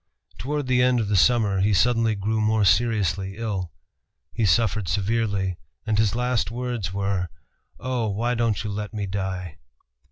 Toward the end of the summer he suddenly grew more seriously ill. He suffered severely, and his last words were, "Oh! why don't you let me die?"